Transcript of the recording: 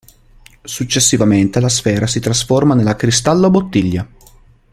Successivamente la Sfera si trasforma nella Cristallo Bottiglia.